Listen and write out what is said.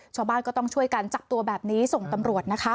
ชาวบ้านก็ต้องช่วยกันจับตัวแบบนี้ส่งตำรวจนะคะ